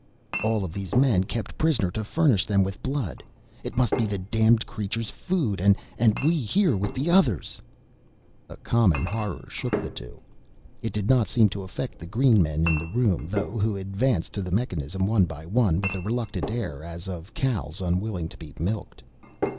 "All of these men kept prisoners to furnish them with blood. It must be the damned creatures' food! And we here with the others " A common horror shook the two. It did not seem to affect the green men in the room, though, who advanced to the mechanism one by one with a reluctant air as of cows unwilling to be milked.